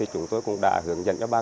chúng tôi cũng đã hưởng dẫn cho ba con